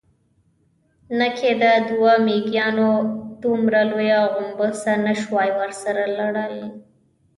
نه کېده، دوو مېږيانو دومره لويه غومبسه نه شوای ورسره وړلای.